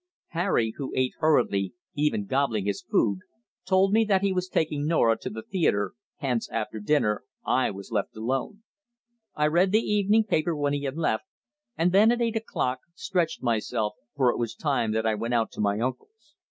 Harry, who ate hurriedly even gobbling his food told me that he was taking Norah to the theatre, hence, after dinner, I was left alone. I read the evening paper when he had left, and then, at eight o'clock, stretched myself, for it was time that I went out to my uncle's.